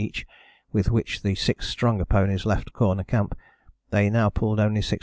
each with which the six stronger ponies left Corner Camp, they now pulled only 625 lbs.